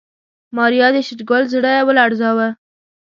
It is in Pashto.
ماريا د شېرګل زړه ولړزاوه.